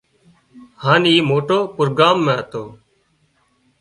هانَ اِي موٽو پروگرام هتو